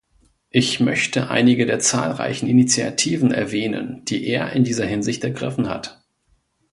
Ich möchte einige der zahlreichen Initiativen erwähnen, die er in dieser Hinsicht ergriffen hat.